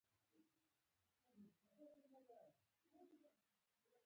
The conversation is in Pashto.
کلتوري انقلاب شپاړس مهم ټکي لرل.